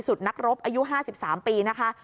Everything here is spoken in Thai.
สุดนักรบอายุห้าสิบสามปีนะคะ